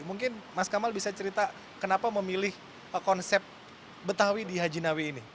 mungkin mas kamal bisa cerita kenapa memilih konsep betawi di haji nawi ini